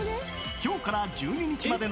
今日から１２日までの